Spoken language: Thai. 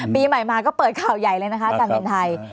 ปีใหม่มาก็เปิดข่าวใหญ่เลยนะคะการบินไทย